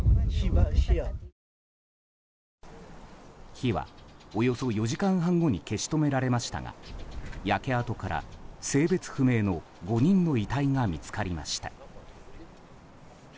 火は、およそ４時間半後に消し止められましたが焼け跡から性別不明の５人の遺体が見つかりました。